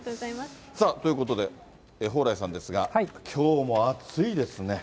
ということで、蓬莱さんですが、きょうも暑いですね。